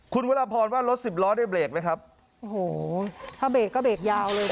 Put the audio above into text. คุณวรพรว่ารถสิบล้อได้เบรกไหมครับโอ้โหถ้าเบรกก็เบรกยาวเลย